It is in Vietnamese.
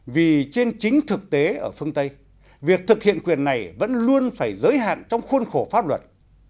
vì trên chính thực tế ở phương tây việc thực hiện quyền này vẫn luôn phải giới hạn trong khuôn khổ pháp luật